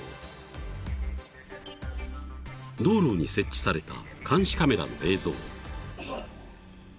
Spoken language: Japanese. ［道路に設置された監視カメラの映像］